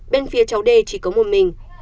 bên phía cháu đê chỉ có một mình